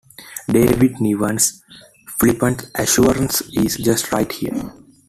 David Niven's flippant assurance is just right here.